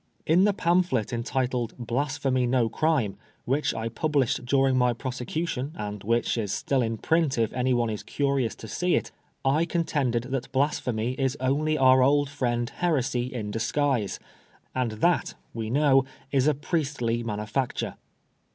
In the pamphlet entitled Blasphemy No Crime^ which I published during my prosecution, and which is still in print if anyone is curious to see it, I con tended that Blasphemy is only our old friend Heresy in disguise, and that, we know, is a priestly manu facture.